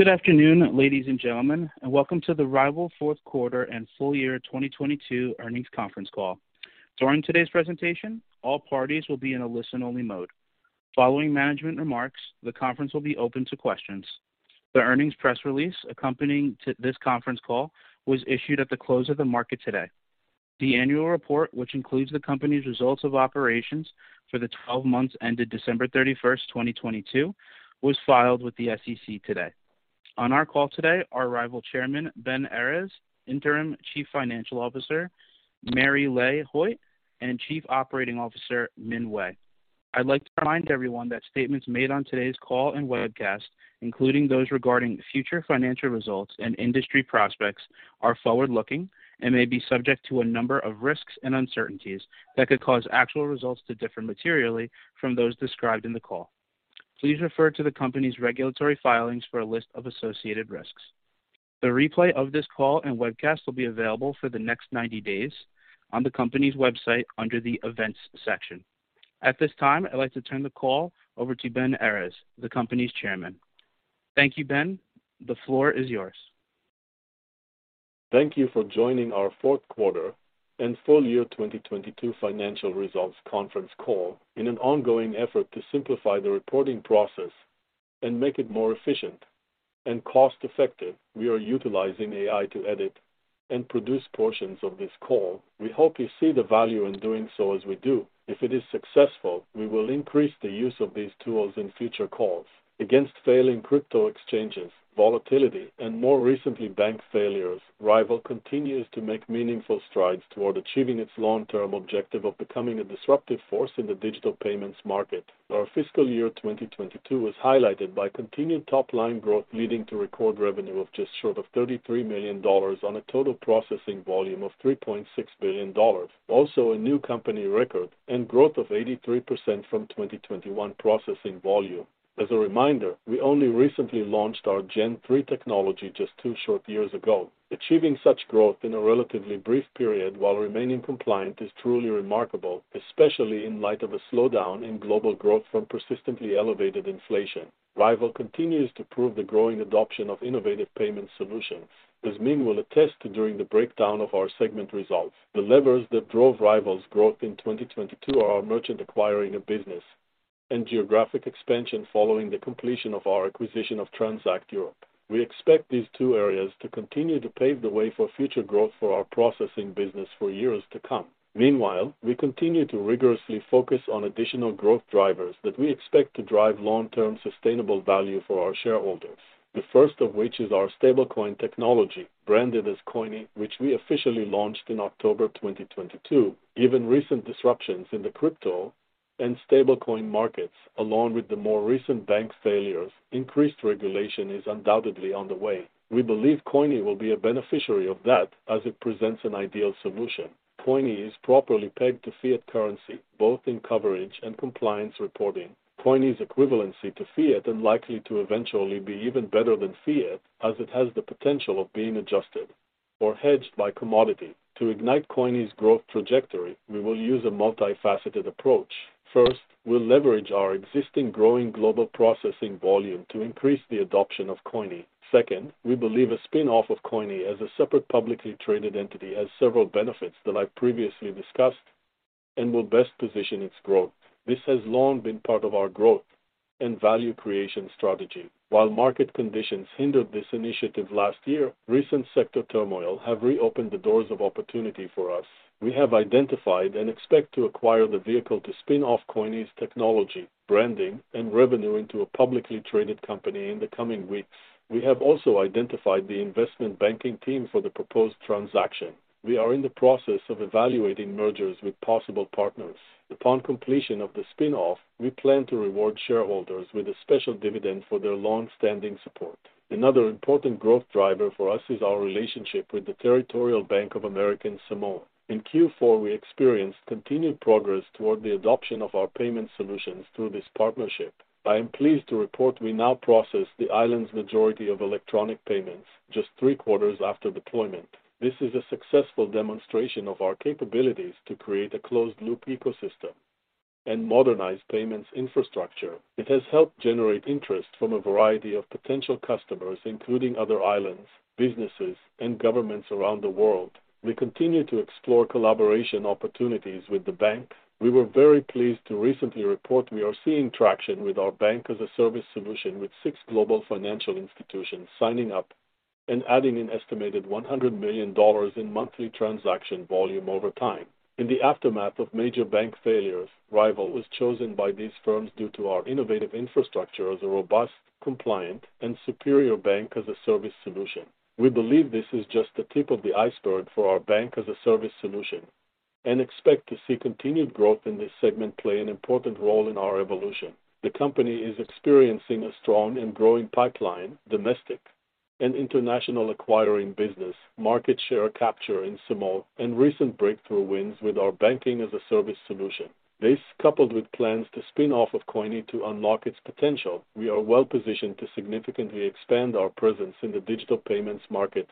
Good afternoon, ladies and gentlemen, and welcome to the RYVYL Fourth Quarter and Full Year 2022 Earnings Conference Call. During today's presentation, all parties will be in a listen-only mode. Following management remarks, the conference will be open to questions. The earnings press release accompanying to this conference call was issued at the close of the market today. The annual report, which includes the company's results of operations for the 12 months ended December 31st, 2022, was filed with the SEC today. On our call today are RYVYL Chairman, Ben Errez, Interim Chief Financial Officer, Mary Lay Hoitt, and Chief Operating Officer, Min Wei. I'd like to remind everyone that statements made on today's call and webcast, including those regarding future financial results and industry prospects, are forward-looking and may be subject to a number of risks and uncertainties that could cause actual results to differ materially from those described in the call. Please refer to the company's regulatory filings for a list of associated risks. The replay of this call and webcast will be available for the next 90 days on the company's website under the Events section. At this time, I'd like to turn the call over to Ben Errez, the company's Chairman. Thank you, Ben. The floor is yours. Thank you for joining our Fourth Quarter and Full Year 2022 Financial Results Conference Call. In an ongoing effort to simplify the reporting process and make it more efficient and cost-effective, we are utilizing AI to edit and produce portions of this call. We hope you see the value in doing so as we do. If it is successful, we will increase the use of these tools in future calls. Against failing crypto exchanges, volatility, and more recently bank failures, RYVYL continues to make meaningful strides toward achieving its long-term objective of becoming a disruptive force in the digital payments market. Our fiscal year 2022 was highlighted by continued top-line growth, leading to record revenue of just short of $33 million on a total processing volume of $3.6 billion. A new company record and growth of 83% from 2021 processing volume. As a reminder, we only recently launched our Gen 3 Technology just two short years ago. Achieving such growth in a relatively brief period while remaining compliant is truly remarkable, especially in light of a slowdown in global growth from persistently elevated inflation. RYVYL continues to prove the growing adoption of innovative payment solutions, as Min will attest to during the breakdown of our segment results. The levers that drove RYVYL's growth in 2022 are our merchant acquiring a business and geographic expansion following the completion of our acquisition of Transact Europe. We expect these two areas to continue to pave the way for future growth for our processing business for years to come. Meanwhile, we continue to rigorously focus on additional growth drivers that we expect to drive long-term sustainable value for our shareholders. The first of which is our stablecoin technology, branded as Coyni, which we officially launched in October 2022. Given recent disruptions in the crypto and stablecoin markets, along with the more recent bank failures, increased regulation is undoubtedly on the way. We believe Coyni will be a beneficiary of that as it presents an ideal solution. Coyni is properly pegged to fiat currency, both in coverage and compliance reporting. Coyni's equivalency to fiat and likely to eventually be even better than fiat as it has the potential of being adjusted or hedged by commodity. To ignite Coyni's growth trajectory, we will use a multifaceted approach. First, we'll leverage our existing growing global processing volume to increase the adoption of Coyni. Second, we believe a spin-off of Coyni as a separate publicly traded entity has several benefits that I previously discussed and will best position its growth. This has long been part of our growth and value creation strategy. While market conditions hindered this initiative last year, recent sector turmoil have reopened the doors of opportunity for us. We have identified and expect to acquire the vehicle to spin off Coyni's technology, branding, and revenue into a publicly traded company in the coming weeks. We have also identified the investment banking team for the proposed transaction. We are in the process of evaluating mergers with possible partners. Upon completion of the spin-off, we plan to reward shareholders with a special dividend for their long-standing support. Another important growth driver for us is our relationship with the Territorial Bank of American Samoa. In Q4, we experienced continued progress toward the adoption of our payment solutions through this partnership. I am pleased to report we now process the island's majority of electronic payments just three quarters after deployment. This is a successful demonstration of our capabilities to create a closed loop ecosystem and modernize payments infrastructure. It has helped generate interest from a variety of potential customers, including other islands, businesses, and governments around the world. We continue to explore collaboration opportunities with the bank. We were very pleased to recently report we are seeing traction with our Banking-as-a-Service solution, with six global financial institutions signing up and adding an estimated $100 million in monthly transaction volume over time. In the aftermath of major bank failures, RYVYL was chosen by these firms due to our innovative infrastructure as a robust, compliant, and superior Banking-as-a-Service solution. We believe this is just the tip of the iceberg for our Banking-as-a-Service solution and expect to see continued growth in this segment play an important role in our evolution. The company is experiencing a strong and growing pipeline, domestic and international acquiring business, market share capture in Samoa, and recent breakthrough wins with our Banking-as-a-Service solution. This, coupled with plans to spin off of Coyni to unlock its potential, we are well-positioned to significantly expand our presence in the digital payments market.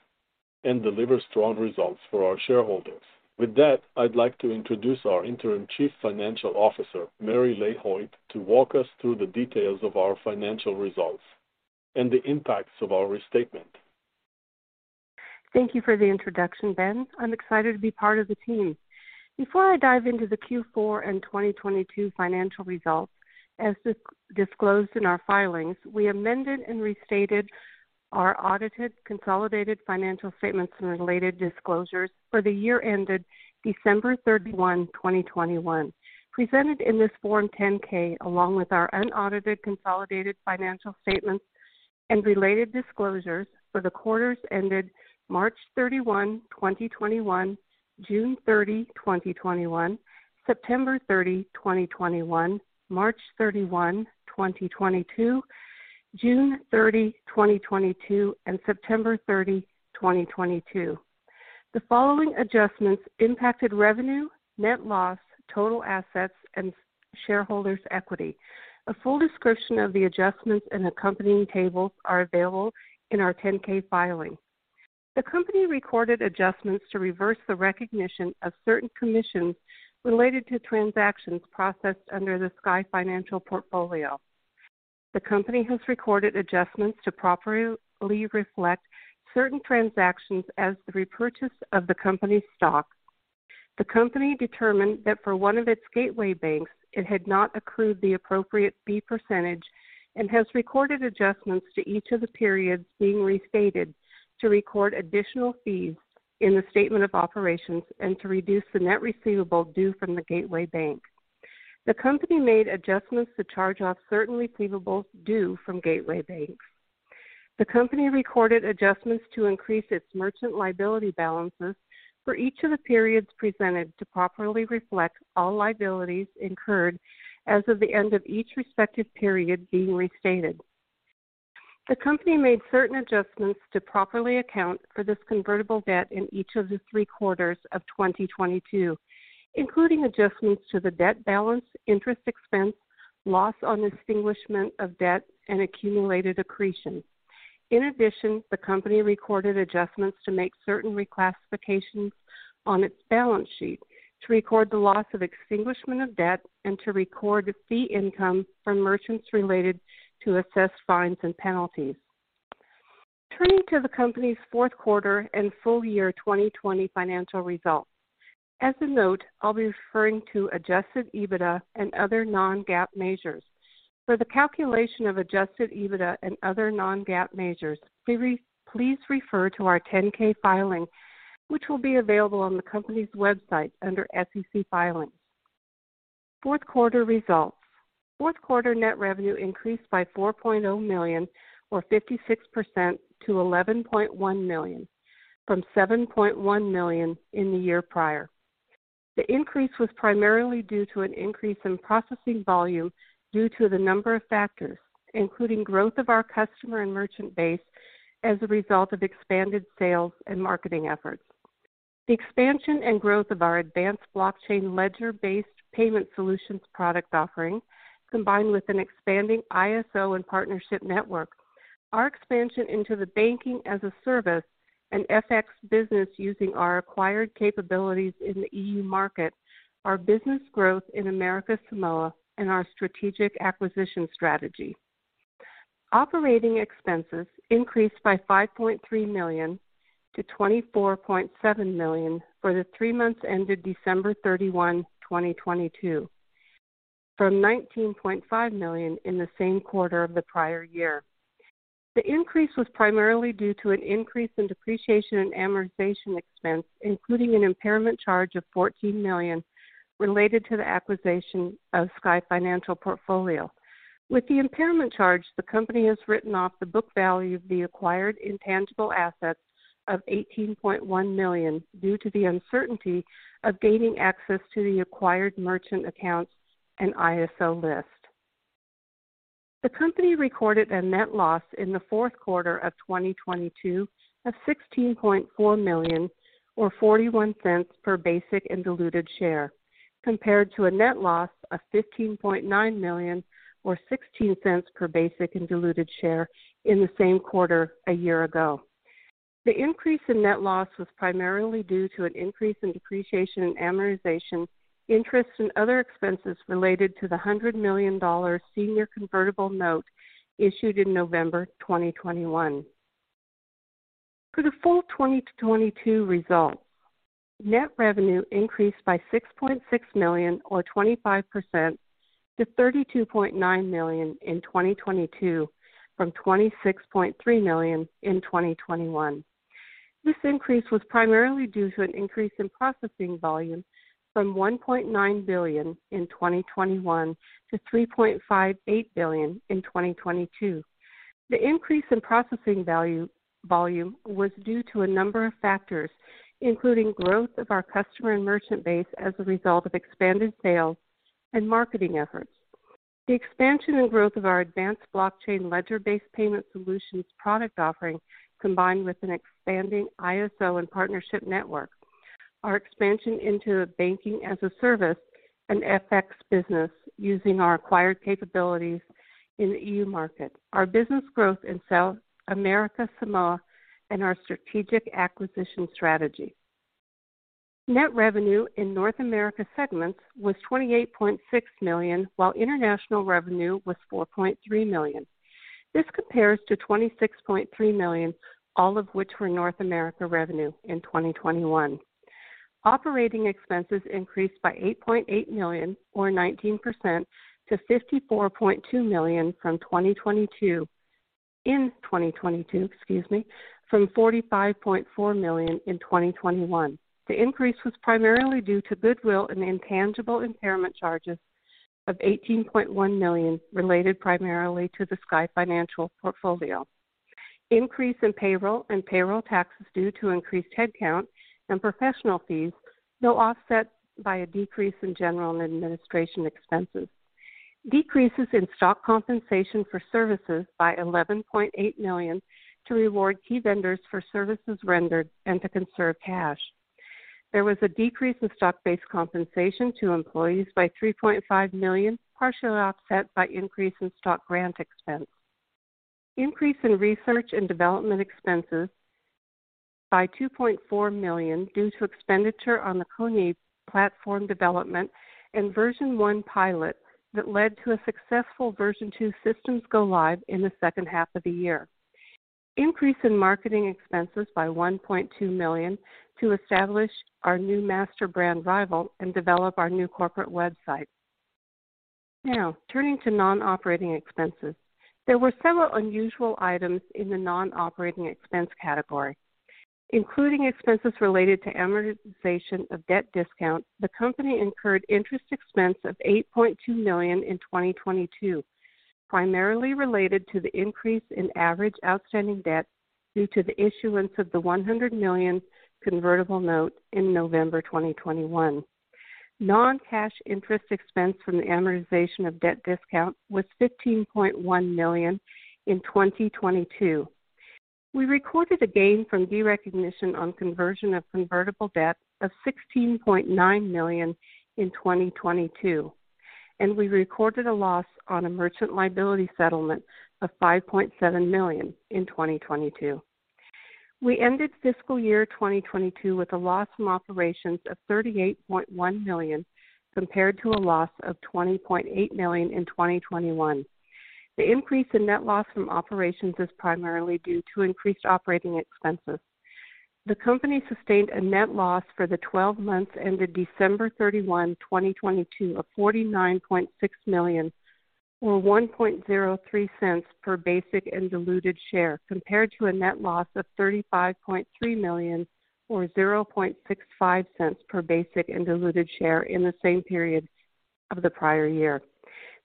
Deliver strong results for our shareholders. With that, I'd like to introduce our interim Chief Financial Officer, Mary Lay Hoitt, to walk us through the details of our financial results and the impacts of our restatement. Thank you for the introduction, Ben Errez. I'm excited to be part of the team. Before I dive into the Q4 and 2022 financial results, as disclosed in our filings, we amended and restated our audited consolidated financial statements and related disclosures for the year ended December 31, 2021. Presented in this Form 10-K, along with our unaudited consolidated financial statements and related disclosures for the quarters ended March 31, 2021, June 30, 2021, September 30, 2021, March 31, 2022, June 30, 2022, and September 30, 2022. The following adjustments impacted revenue, net loss, total assets and shareholders equity. A full description of the adjustments and accompanying tables are available in our 10-K filing. The company recorded adjustments to reverse the recognition of certain commissions related to transactions processed under the Sky Financial portfolio. The company has recorded adjustments to properly reflect certain transactions as the repurchase of the company's stock. The company determined that for one of its gateway banks, it had not accrued the appropriate fee % and has recorded adjustments to each of the periods being restated to record additional fees in the statement of operations and to reduce the net receivable due from the gateway bank. The company made adjustments to charge off certain receivables due from gateway banks. The company recorded adjustments to increase its merchant liability balances for each of the periods presented to properly reflect all liabilities incurred as of the end of each respective period being restated. The company made certain adjustments to properly account for this convertible debt in each of the three quarters of 2022, including adjustments to the debt balance, interest expense, loss on extinguishment of debt, and accumulated accretion. In addition, the company recorded adjustments to make certain reclassifications on its balance sheet to record the loss of extinguishment of debt and to record fee income from merchants related to assessed fines and penalties. Turning to the company's fourth quarter and full year 2020 financial results. As a note, I'll be referring to adjusted EBITDA and other non-GAAP measures. For the calculation of adjusted EBITDA and other non-GAAP measures, please refer to our 10-K filing, which will be available on the company's website under SEC Filings. Fourth quarter results. Fourth quarter net revenue increased by $4.0 million or 56% to $11.1 million from $7.1 million in the year prior. The increase was primarily due to an increase in processing volume due to the number of factors, including growth of our customer and merchant base as a result of expanded sales and marketing efforts. The expansion and growth of our advanced blockchain ledger-based payment solutions product offering, combined with an expanding ISO and partnership network. Our expansion into the Banking-as-a-Service and FX business using our acquired capabilities in the EU market, our business growth in American Samoa and our strategic acquisition strategy. Operating expenses increased by $5.3 million-$24.7 million for the three months ended December 31, 2022, from $19.5 million in the same quarter of the prior year. The increase was primarily due to an increase in depreciation and amortization expense, including an impairment charge of $14 million related to the acquisition of Sky Financial portfolio. With the impairment charge, the company has written off the book value of the acquired intangible assets of $18.1 million due to the uncertainty of gaining access to the acquired merchant accounts and ISO list. The company recorded a net loss in the fourth quarter of 2022 of $16.4 million or $0.41 per basic and diluted share, compared to a net loss of $15.9 million or $0.16 per basic and diluted share in the same quarter a year ago. The increase in net loss was primarily due to an increase in depreciation and amortization, interest and other expenses related to the $100 million senior convertible note issued in November 2021. For the full 2022 results, net revenue increased by $6.6 million or 25% to $32.9 million in 2022 from $26.3 million in 2021. This increase was primarily due to an increase in processing volume from $1.9 billion in 2021 to $3.58 billion in 2022. The increase in processing volume was due to a number of factors, including growth of our customer and merchant base as a result of expanded sales and marketing efforts. The expansion and growth of our advanced blockchain ledger-based payment solutions product offering combined with an expanding ISO and partnership network. Our expansion into Banking-as-a-Service and FX business using our acquired capabilities in the EU market. Our business growth in South America, Samoa, and our strategic acquisition strategy. Net revenue in North America segments was $28.6 million, while international revenue was $4.3 million. This compares to $26.3 million, all of which were North America revenue in 2021. Operating expenses increased by $8.8 million or 19% to $54.2 million in 2022, from $45.4 million in 2021. The increase was primarily due to goodwill and intangible impairment charges of $18.1 million related primarily to the Sky Financial portfolio. Increase in payroll and payroll taxes due to increased headcount and professional fees, though offset by a decrease in general and administration expenses. Decreases in stock compensation for services by $11.8 million to reward key vendors for services rendered and to conserve cash. There was a decrease in stock-based compensation to employees by $3.5 million, partially offset by increase in stock grant expense. Increase in research and development expenses by $2.4 million due to expenditure on the Coyni platform development and version 1 pilot that led to a successful version two systems go live in the second half of the year. Increase in marketing expenses by $1.2 million to establish our new master brand RYVYL and develop our new corporate website. Now, turning to non-operating expenses. There were several unusual items in the non-operating expense category. Including expenses related to amortization of debt discount, the company incurred interest expense of $8.2 million in 2022, primarily related to the increase in average outstanding debt due to the issuance of the $100 million convertible note in November 2021. Non-cash interest expense from the amortization of debt discount was $15.1 million in 2022. We recorded a gain from derecognition on conversion of convertible debt of $16.9 million in 2022. We recorded a loss on a merchant liability settlement of $5.7 million in 2022. We ended fiscal year 2022 with a loss from operations of $38.1 million, compared to a loss of $20.8 million in 2021. The increase in net loss from operations is primarily due to increased operating expenses. The company sustained a net loss for the 12 months ended December 31, 2022 of $49.6 million or $1.03 per basic and diluted share, compared to a net loss of $35.3 million or $0.65 per basic and diluted share in the same period of the prior year.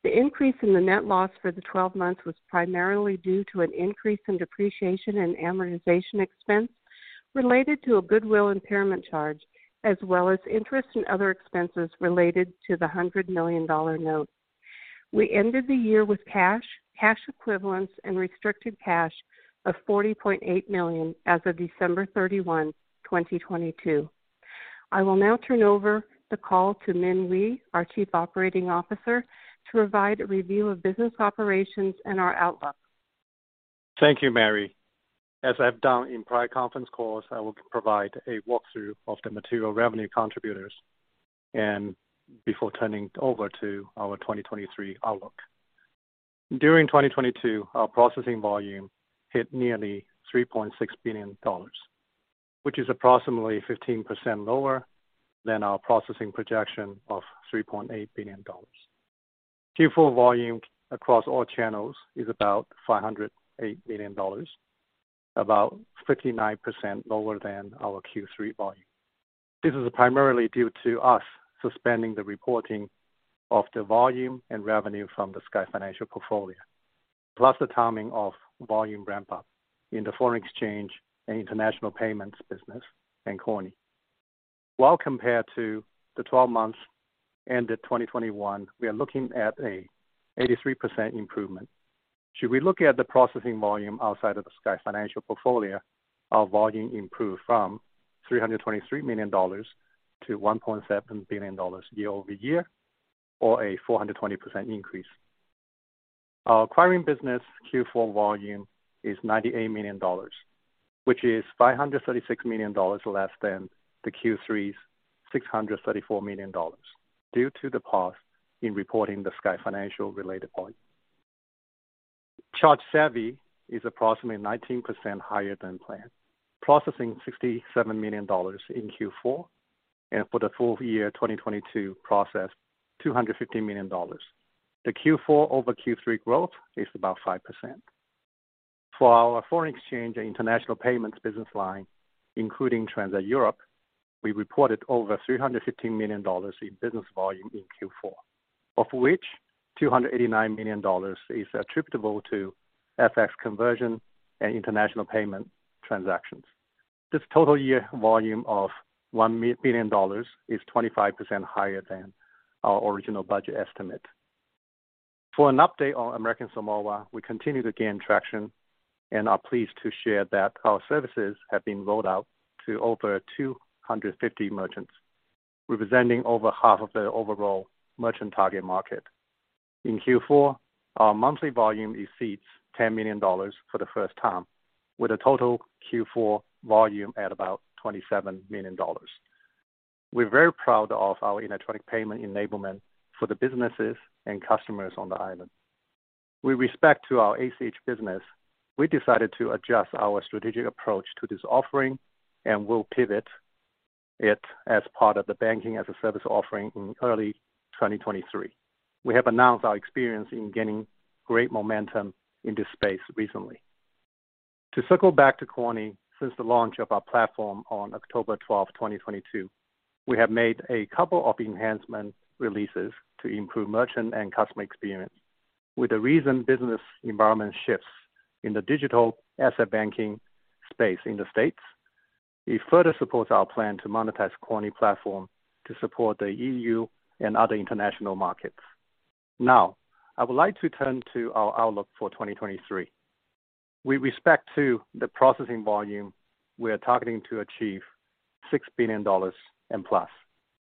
The increase in the net loss for the 12 months was primarily due to an increase in depreciation and amortization expense related to a goodwill impairment charge, as well as interest and other expenses related to the $100 million note. We ended the year with cash equivalents and restricted cash of $40.8 million as of December 31, 2022. I will now turn over the call to Min Wei, our Chief Operating Officer, to provide a review of business operations and our outlook. Thank you, Mary. As I've done in prior conference calls, I will provide a walkthrough of the material revenue contributors and before turning over to our 2023 outlook. During 2022, our processing volume hit nearly $3.6 billion, which is approximately 15% lower than our processing projection of $3.8 billion. Q4 volume across all channels is about $508 million, about 59% lower than our Q3 volume. This is primarily due to us suspending the reporting of the volume and revenue from the Sky Financial portfolio, plus the timing of volume ramp-up in the foreign exchange and international payments business in Coyni. Compared to the 12 months ended 2021, we are looking at a 83% improvement. Should we look at the processing volume outside of the Sky Financial portfolio, our volume improved from $323 million to $1.7 billion year-over-year, or a 420% increase. Our acquiring business Q4 volume is $98 million, which is $536 million less than the Q3's $634 million due to the pause in reporting the Sky Financial related volume. ChargeSavvy is approximately 19% higher than planned, processing $67 million in Q4, and for the full year 2022 processed $250 million. The Q4-over-Q3 growth is about 5%. For our foreign exchange and international payments business line, including Transact Europe, we reported over $315 million in business volume in Q4, of which $289 million is attributable to FX conversion and international payment transactions. This total year volume of $1 billion is 25% higher than our original budget estimate. For an update on American Samoa, we continue to gain traction and are pleased to share that our services have been rolled out to over 250 merchants, representing over half of the overall merchant target market. In Q4, our monthly volume exceeds $10 million for the first time, with a total Q4 volume at about $27 million. We're very proud of our electronic payment enablement for the businesses and customers on the island. With respect to our ACH business, we decided to adjust our strategic approach to this offering, and we'll pivot it as part of the Banking-as-a-Service offering in early 2023. We have announced our experience in gaining great momentum in this space recently. To circle back to Coyni, since the launch of our platform on October 12, 2022, we have made a couple of enhancement releases to improve merchant and customer experience. With the recent business environment shifts in the digital asset banking space in the States, it further supports our plan to monetize Coyni platform to support the EU and other international markets. I would like to turn to our outlook for 2023. With respect to the processing volume, we are targeting to achieve $6 billion and plus.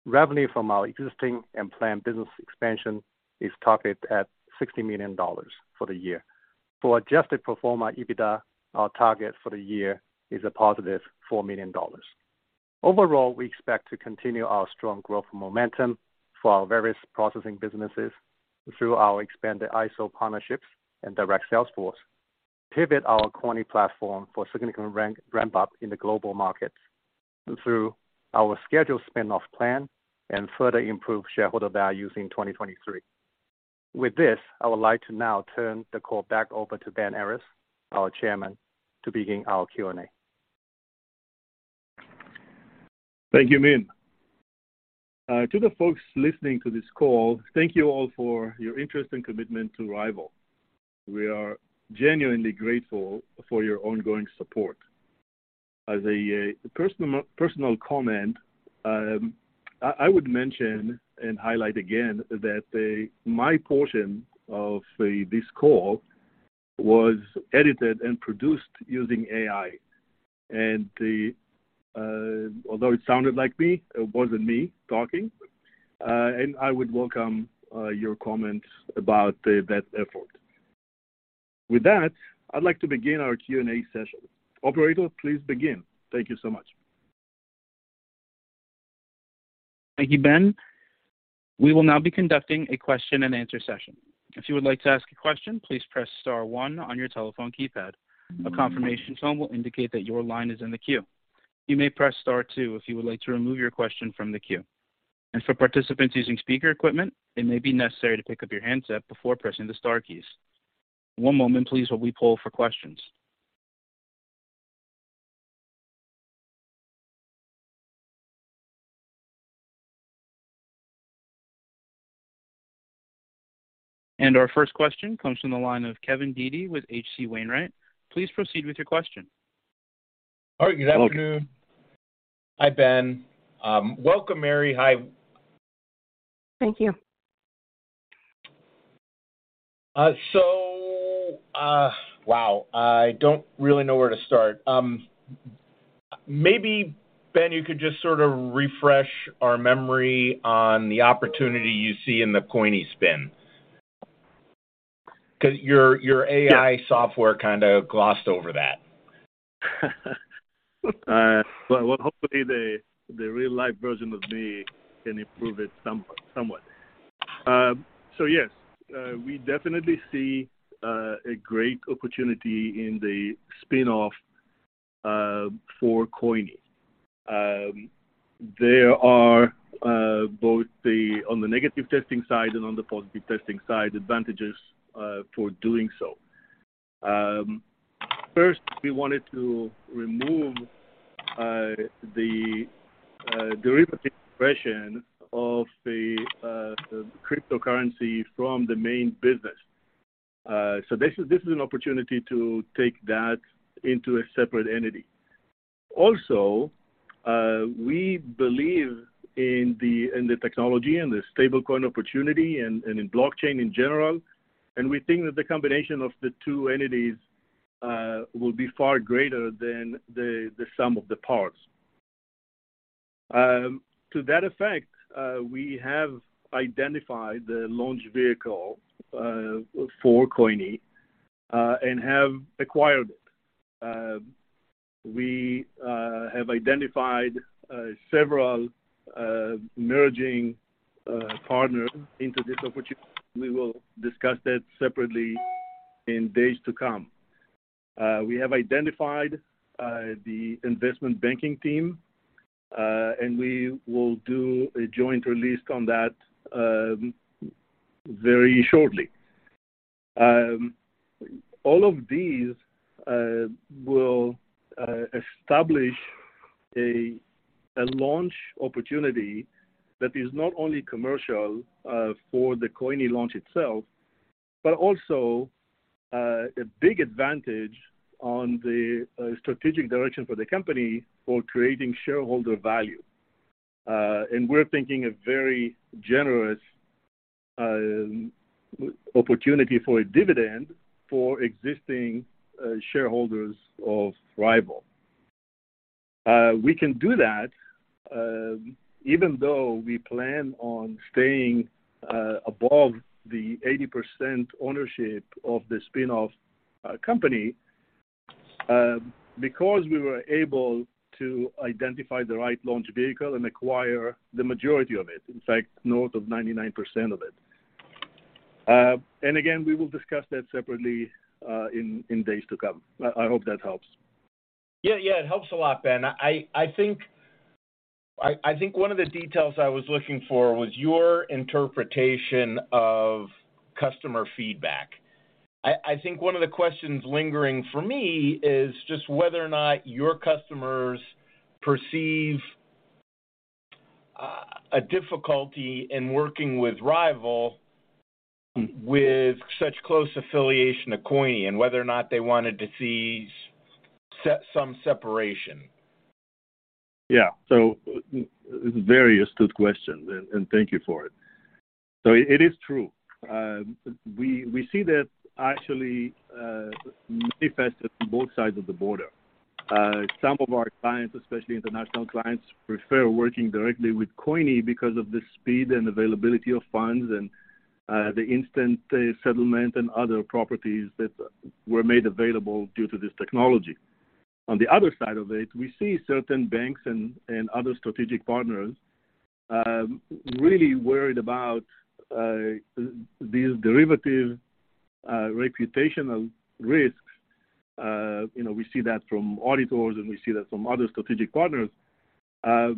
Revenue from our existing and planned business expansion is targeted at $60 million for the year. For adjusted pro forma EBITDA, our target for the year is a positive $4 million. Overall, we expect to continue our strong growth momentum for our various processing businesses through our expanded ISO partnerships and direct sales force, pivot our Coyni platform for significant ramp up in the global markets through our scheduled spin-off plan and further improve shareholder values in 2023. I would like to now turn the call back over to Ben Errez, our Chairman, to begin our Q&A. Thank you, Min. to the folks listening to this call, thank you all for your interest and commitment to RYVYL. We are genuinely grateful for your ongoing support. As a personal comment, I would mention and highlight again that my portion of this call was edited and produced using AI. although it sounded like me, it wasn't me talking. I would welcome your comments about that effort. With that, I'd like to begin our Q&A session. Operator, please begin. Thank you so much. Thank you, Ben. We will now be conducting a question-and-answer session. If you would like to ask a question, please press star one on your telephone keypad. A confirmation tone will indicate that your line is in the queue. You may press star two if you would like to remove your question from the queue. For participants using speaker equipment, it may be necessary to pick up your handset before pressing the star keys. One moment please while we poll for questions. Our first question comes from the line of Kevin Dede with H.C. Wainwright. Please proceed with your question. All right. Good afternoon. Hi, Ben. Welcome, Mary. Hi. Thank you. Wow, I don't really know where to start. Maybe, Ben, you could just sort of refresh our memory on the opportunity you see in the Coyni spin. 'Cause your AI software kinda glossed over that. Well, hopefully the real-life version of me can improve it somewhat. Yes, we definitely see a great opportunity in the spin-off for Coyni. There are both on the negative testing side and on the positive testing side, advantages for doing so. First, we wanted to remove the derivative version of the cryptocurrency from the main business. We believe in the technology and the stablecoin opportunity and in blockchain in general, and we think that the combination of the two entities will be far greater than the sum of the parts. To that effect, we have identified the launch vehicle for Coyni and have acquired it. We have identified several merging partner into this opportunity. We will discuss that separately in days to come. We have identified the investment banking team, and we will do a joint release on that very shortly. All of these will establish a launch opportunity that is not only commercial for the Coyni launch itself, but also a big advantage on the strategic direction for the company for creating shareholder value. We're thinking a very generous opportunity for a dividend for existing shareholders of RYVYL. We can do that, even though we plan on staying above the 80% ownership of the spin-off company, because we were able to identify the right launch vehicle and acquire the majority of it, in fact, north of 99% of it. Again, we will discuss that separately in days to come. I hope that helps. It helps a lot, Ben. I think one of the details I was looking for was your interpretation of customer feedback. I think one of the questions lingering for me is just whether or not your customers perceive a difficulty in working with RYVYL with such close affiliation to Coyni and whether or not they wanted to see some separation. Yeah. Very astute question, and thank you for it. It is true. We see that actually manifested on both sides of the border. Some of our clients, especially international clients, prefer working directly with Coyni because of the speed and availability of funds and the instant settlement and other properties that were made available due to this technology. On the other side of it, we see certain banks and other strategic partners really worried about these derivative reputational risks. You know, we see that from auditors, and we see that from other strategic partners. To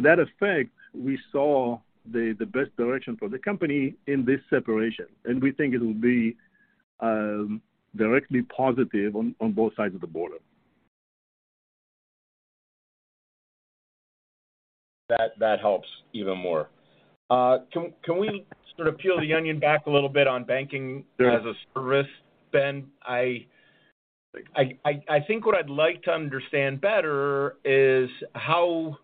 that effect, we saw the best direction for the company in this separation, and we think it'll be directly positive on both sides of the border. That, that helps even more. can we sort of peel the onion back a little bit on Banking- Sure. -as a Service, Ben? I think what I'd like to understand better is how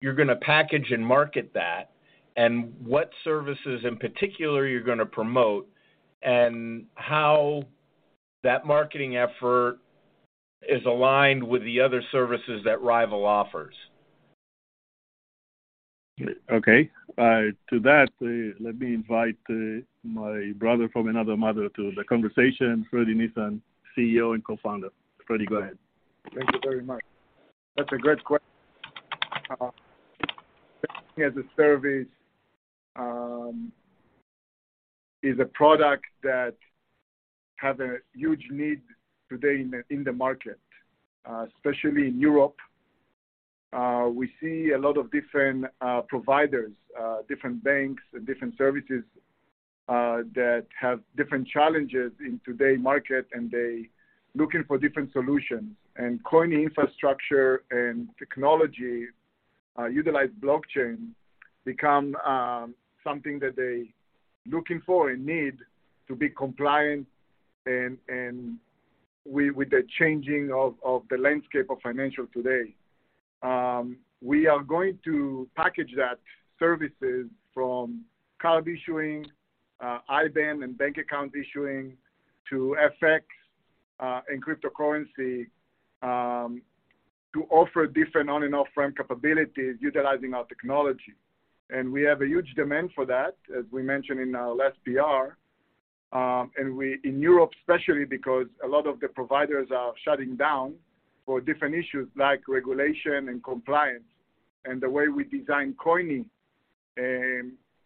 you're gonna package and market that and what services in particular you're gonna promote and how that marketing effort is aligned with the other services that RYVYL offers. Okay. to that, let me invite my brother from another mother to the conversation, Fredi Nisan, CEO, and co-founder. Fredi, go ahead. Thank you very much. That's a great. Banking-as-a-Service is a product that have a huge need today in the market, especially in Europe. We see a lot of different providers, different banks and different services that have different challenges in today market, and they looking for different solutions. Coyni infrastructure and technology, utilize blockchain become something that they looking for and need to be compliant and with the changing of the landscape of financial today. We are going to package that services from card issuing, IBAN and bank account issuing to FX and cryptocurrency to offer different on and off-ramp capabilities utilizing our technology. We have a huge demand for that, as we mentioned in our last PR. We in Europe especially because a lot of the providers are shutting down for different issues like regulation and compliance. The way we design Coyni,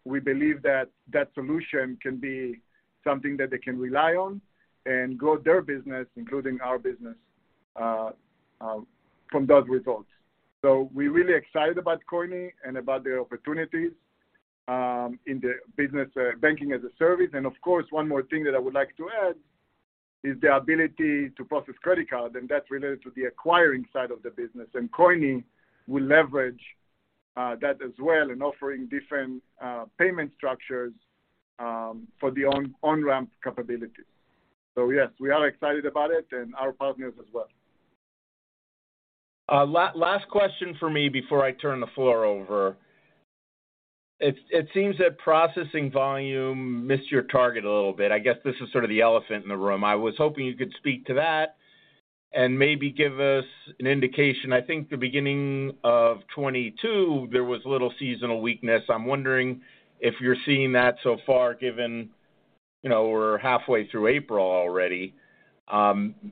we believe that that solution can be something that they can rely on and grow their business, including our business from those results. We're really excited about Coyni and about the opportunities in the business Banking-as-a-Service. Of course, one more thing that I would like to add is the ability to process credit card, and that's related to the acquiring side of the business. Coyni will leverage that as well in offering different payment structures for the on-ramp capabilities. Yes, we are excited about it and our partners as well. last question for me before I turn the floor over. It, it seems that processing volume missed your target a little bit. I guess this is sort of the elephant in the room. I was hoping you could speak to that and maybe give us an indication. I think the beginning of 2022, there was little seasonal weakness. I'm wondering if you're seeing that so far, given, you know, we're halfway through April already.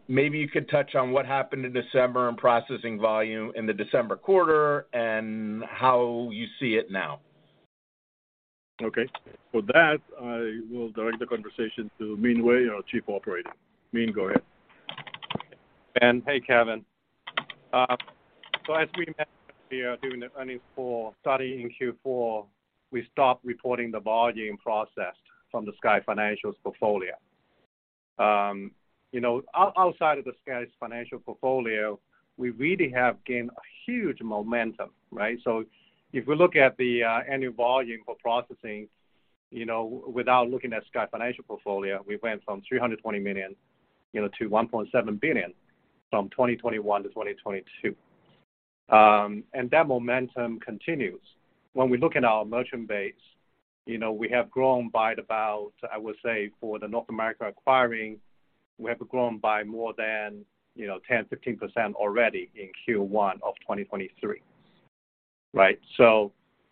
maybe you could touch on what happened in December and processing volume in the December quarter and how you see it now? Okay. For that, I will direct the conversation to Min Wei, our Chief Operating. Min, go ahead. Ben, hey, Kevin. As we mentioned here during the earnings call, starting Q4, we stopped reporting the volume processed from the Sky Financial's portfolio. You know, outside of the Sky Financial's portfolio, we really have gained a huge momentum, right? If we look at the annual volume for processing, you know, without looking at Sky Financial portfolio, we went from $320 million, you know, to $1.7 billion. From 2021 to 2022. That momentum continues. When we look at our merchant base, you know, we have grown by about, I would say for the North America acquiring, we have grown by more than, you know, 10%, 15% already in Q1 of 2023. Right.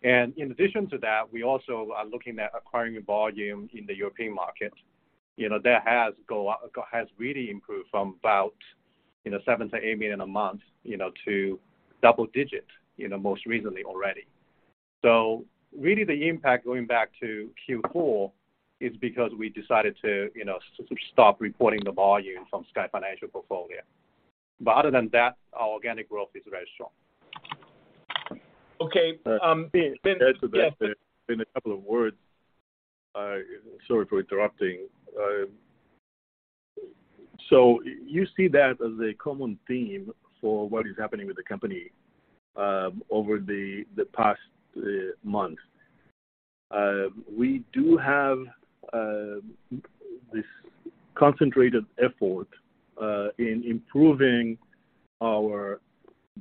In addition to that, we also are looking at acquiring volume in the European market. You know, that has really improved from about, you know, $7 million-$8 million a month, you know, to double digit, you know, most recently already. Really the impact going back to Q4 is because we decided to, you know, stop reporting the volume from Sky Financial portfolio. Other than that, our organic growth is very strong. Okay, Ben, To add to that, in a couple of words. Sorry for interrupting. You see that as a common theme for what is happening with the company over the past months. We do have this concentrated effort in improving our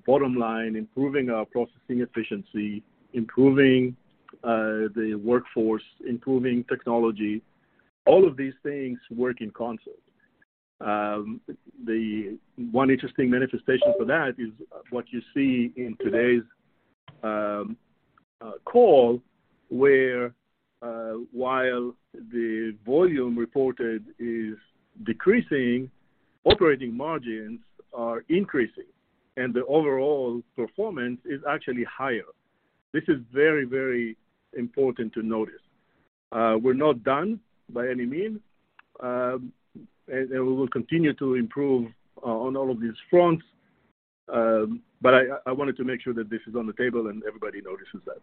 bottom line, improving our processing efficiency, improving the workforce, improving technology. All of these things work in concert. The one interesting manifestation for that is what you see in today's call, where while the volume reported is decreasing, operating margins are increasing, and the overall performance is actually higher. This is very, very important to notice. We're not done by any means, and we will continue to improve on all of these fronts, but I wanted to make sure that this is on the table and everybody notices that.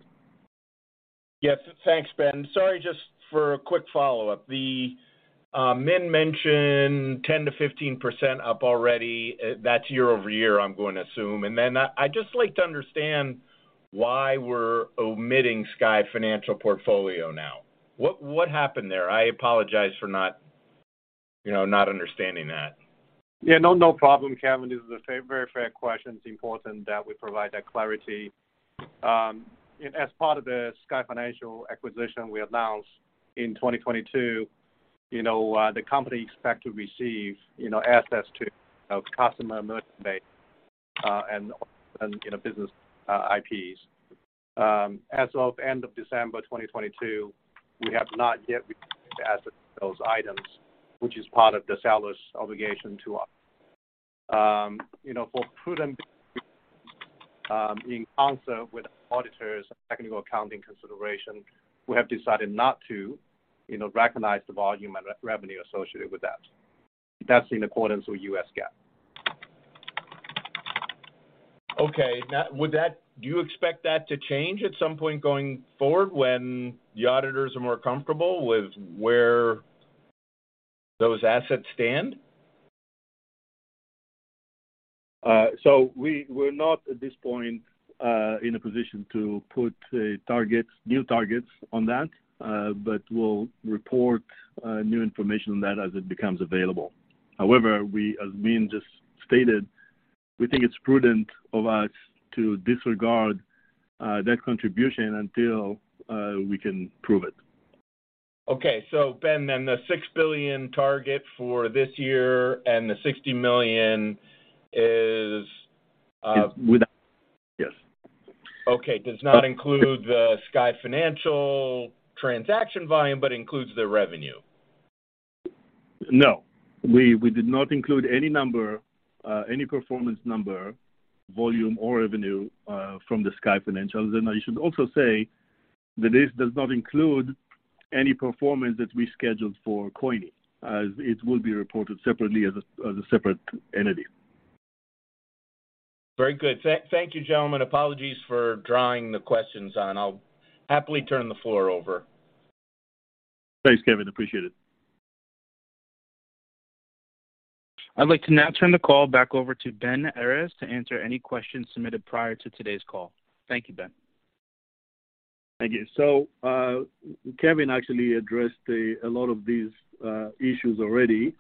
Yes. Thanks, Ben. Sorry, just for a quick follow-up. The Min mentioned 10%-15% up already. That's year-over-year, I'm going to assume. I'd just like to understand why we're omitting Sky Financial portfolio now. What happened there? I apologize for not, you know, not understanding that. Yeah. No, no problem, Kevin. This is a fair, very fair question. It's important that we provide that clarity. As part of the Sky Financial acquisition we announced in 2022, you know, the company expect to receive, you know, assets to customer merchant base, and, you know, business IPs. As of end of December 2022, we have not yet received the assets of those items, which is part of the seller's obligation to us. For prudent in concert with auditors and technical accounting consideration, we have decided not to, you know, recognize the volume and re-revenue associated with that. That's in accordance with U.S. GAAP. Okay. Now do you expect that to change at some point going forward when the auditors are more comfortable with where those assets stand? We're not at this point in a position to put targets, new targets on that, but we'll report new information on that as it becomes available. However, we, as Min just stated, we think it's prudent of us to disregard that contribution until we can prove it. Okay. Ben, the $6 billion target for this year and the $60 million is. Is without, yes. Does not include the Sky Financial transaction volume, but includes their revenue. No, we did not include any number, any performance number, volume or revenue, from the Sky Financial. I should also say that this does not include any performance that we scheduled for Coyni, as it will be reported separately as a separate entity. Very good. Thank you, gentlemen. Apologies for drawing the questions on. I'll happily turn the floor over. Thanks, Kevin. Appreciate it. I'd like to now turn the call back over to Ben Errez to answer any questions submitted prior to today's call. Thank you, Ben. Thank you. Kevin actually addressed a lot of these issues already.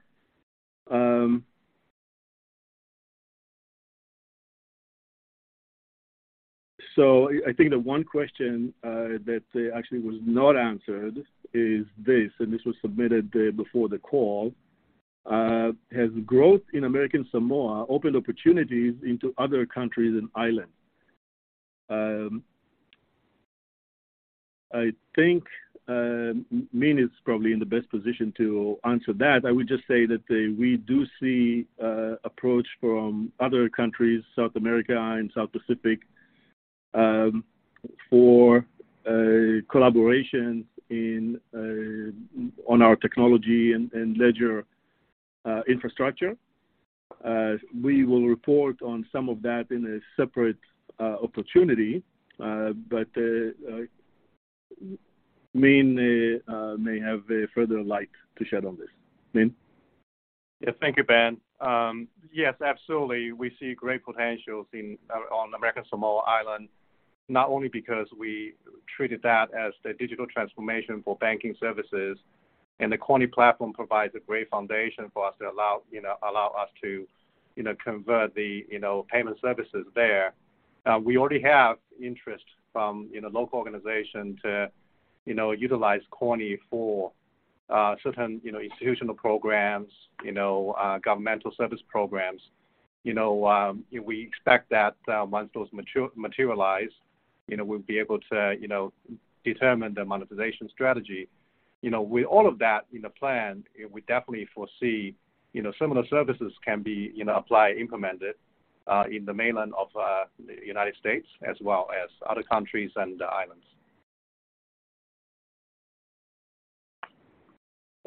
I think the one question that actually was not answered is this, and this was submitted before the call. Has growth in American Samoa opened opportunities into other countries and islands? I think Min is probably in the best position to answer that. I would just say that we do see approach from other countries, South America and South Pacific, for collaboration in on our technology and ledger infrastructure. We will report on some of that in a separate opportunity. But Min may have a further light to shed on this. Min? Yeah. Thank you, Ben. Yes, absolutely. We see great potentials in, on American Samoa Island, not only because we treated that as the digital transformation for banking services, and the Coyni platform provides a great foundation for us to allow us to, you know, convert the, you know, payment services there. We already have interest from, you know, local organizations to, you know, utilize Coyni for certain, you know, institutional programs, you know, governmental service programs. You know, we expect that once those materialize, you know, we'll be able to, you know, determine the monetization strategy. You know, with all of that in the plan, we definitely foresee, you know, similar services can be, you know, applied, implemented in the mainland of the United States as well as other countries and islands.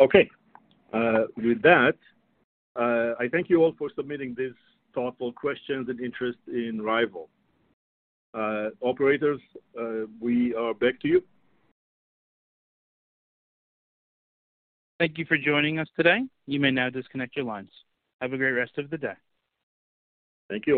Okay. With that, I thank you all for submitting these thoughtful questions and interest in RYVYL. Operators, we are back to you. Thank you for joining us today. You may now disconnect your lines. Have a great rest of the day. Thank you.